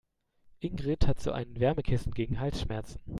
Ingrid hat so ein Wärmekissen gegen Halsschmerzen.